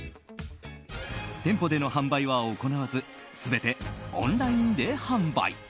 店舗での販売は行わず全てオンラインで販売。